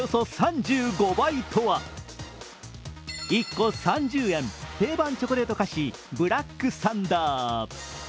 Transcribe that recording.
１個３０円、定番チョコレート菓子ブラックサンダー。